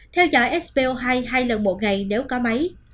theo dõi spo hai hai lần một ngày nếu có máy